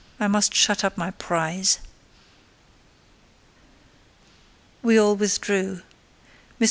I must shut up my prize." We all withdrew. Mr.